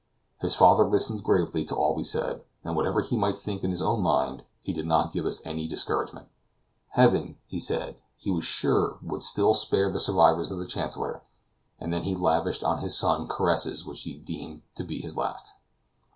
His father listened gravely to all we said, and whatever he might think in his own mind, he did not give us any discouragement; Heaven, he said, he was sure would still spare the survivors of the Chancellor, and then he lavished on his son caresses which he deemed to be his last.